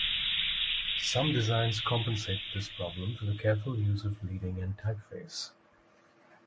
Some designs compensate for this problem through the careful use of leading and typeface.